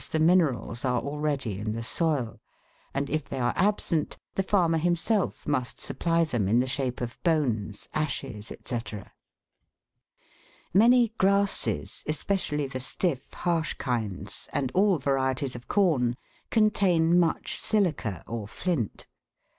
the minerals are already in the soil ; and if they are absent the farmer himself must supply them in the shape of bones, ashes, &c. Many grasses, especially the stiff harsh kinds, and all varieties of corn, contain much silica or flint.